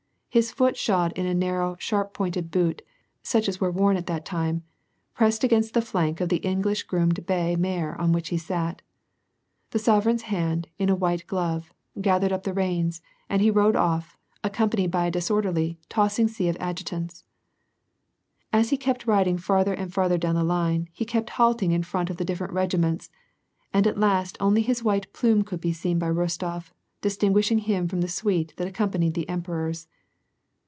His foot, shod in a narrow, sharp pointed boot, such as were worn at that time, pressed against the flank of the English groomed bay mare on which he sat. The sovereign's hand, in a white glove, gathered up the reins, and he rode off, accompanied by a dis orderly, tossing sea of adjutants. As he kept riding farther and farther down the line, he kept halting in front of the different regiments, and at last only his white plume could be seen by Rostof, distinguishing him from the suite that accompanied the emperors.